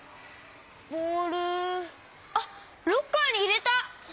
あっロッカーにいれた。